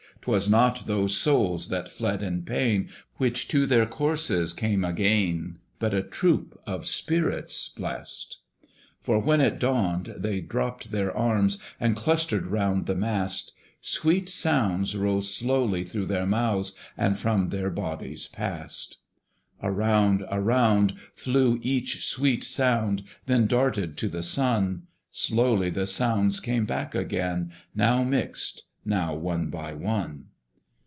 'Twas not those souls that fled in pain, Which to their corses came again, But a troop of spirits blest: For when it dawned they dropped their arms, And clustered round the mast; Sweet sounds rose slowly through their mouths, And from their bodies passed. Around, around, flew each sweet sound, Then darted to the Sun; Slowly the sounds came back again, Now mixed, now one by one.